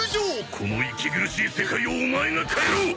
この息苦しい世界をオマエが変えろ！